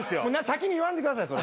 先に言わんでください。